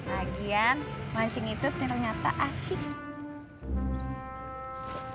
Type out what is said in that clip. lagian mancing itu ternyata asyik